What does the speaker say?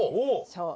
そう。